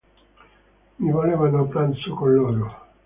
Mi volevano a pranzo con loro,